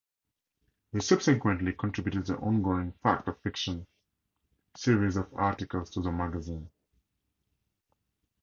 He subsequently contributed the ongoing "Fact of Fiction" series of articles to the magazine.